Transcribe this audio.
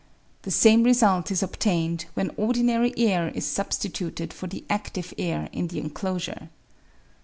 The same result is obtained when ordinary air is substituted for the adtive air in the enclosure.